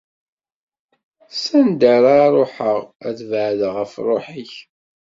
S anda ara ruḥeɣ, ad beɛdeɣ ɣef Ṛṛuḥ-ik?